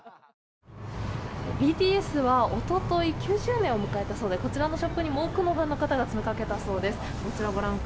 ＢＴＳは一昨日９周年を迎えたそうでこちらのショップにも多くのファンが詰めかけたそうです。